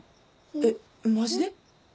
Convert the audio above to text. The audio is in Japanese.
えっマジで？